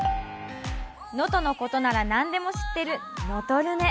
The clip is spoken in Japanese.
能登のことなら何でも知ってる「のとルネ」。